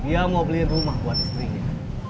dia mau beli rumah buat istrinya